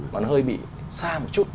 nó hơi bị xa một chút